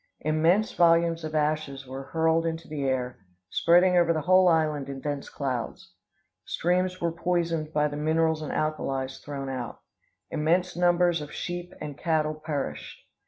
Immense volumes of ashes were hurled into the air, spreading over the whole island in dense clouds. Streams were poisoned by the minerals and alkalies thrown out. Immense numbers of sheep and cattle perished.